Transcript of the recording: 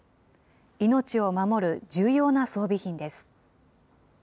命を守る重要な装備品です。